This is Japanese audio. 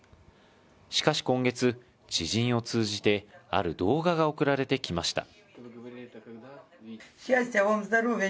しかし今月、知人を通じて、ある動画が送られてきました。